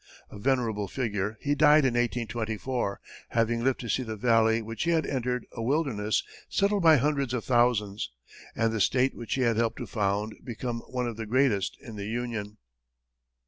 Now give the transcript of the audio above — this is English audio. A venerable figure, he died in 1824, having lived to see the valley which he had entered a wilderness settled by hundreds of thousands, and the state which he had helped to found become one of the greatest in the Union.